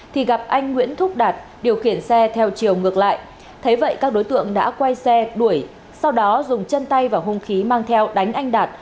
thì gặp anh nguyễn thúc đạt điều khiển xe theo chiều ngược lại thấy vậy các đối tượng đã quay xe đuổi sau đó dùng chân tay và hung khí mang theo đánh anh đạt